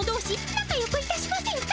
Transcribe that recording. なかよくいたしませんか？